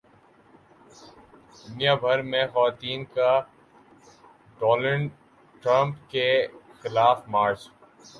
دنیا بھر میں خواتین کا ڈونلڈ ٹرمپ کے خلاف مارچ